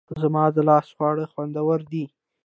زما د لاس خواړه خوندور دي